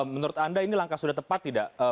menurut anda ini langkah sudah tepat tidak